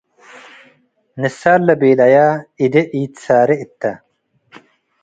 ንሳል ለቤለየ እዴ ኢትሳሬ እተ።